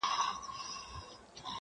پر شب پرستو بدلګېږم ځکه-